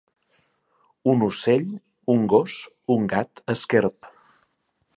Un ocell, un gos, un gat, esquerp.